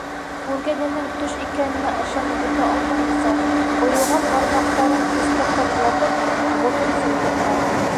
Күргәненең төш икәненә ышанып бөтә алмайынса, ойоған бармаҡтарын көскә ҡыбырлатып, ботон семтеп ҡараны.